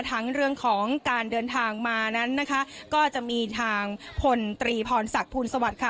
ทั้งเรื่องของการเดินทางมานั้นนะคะก็จะมีทางพลตรีพรศักดิ์สวัสดิ์ค่ะ